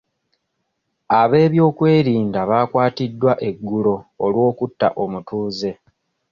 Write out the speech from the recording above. Ab'ebyokwerinda baakwatiddwa eggulo olwokutta omutuuze.